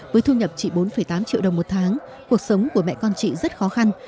với thu nhập chị bốn tám triệu đồng một tháng cuộc sống của mẹ con chị rất khó khăn